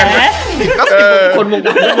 ก็สซิบ